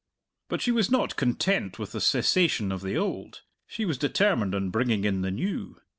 But she was not content with the cessation of the old; she was determined on bringing in the new.